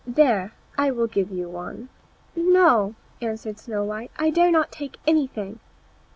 There, I will give you one." "No," answered Snow white, "I dare not take anything."